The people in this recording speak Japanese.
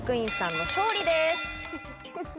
飼育員さんの勝利です。